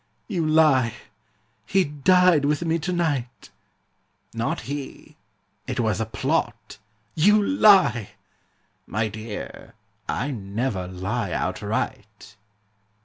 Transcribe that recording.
'You lie, he died with me to night.' 'Not he! it was a plot' ... 'You lie.' 'My dear, I never lie outright.'